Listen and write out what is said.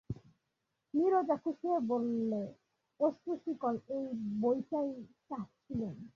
নীরজা খুশি হয়ে বললে, অশ্রু-শিকল, এই বইটাই চাচ্ছিলুম।